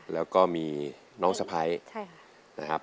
แล้วก็มีน้องสะพาย